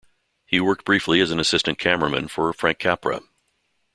He worked briefly as an assistant cameraman for Frank Capra.